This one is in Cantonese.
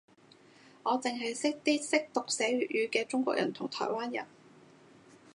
我剩係識啲識讀寫粵語嘅中國人同台灣人